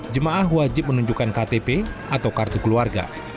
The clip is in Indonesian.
jemaah wajib menunjukkan ktp atau kartu keluarga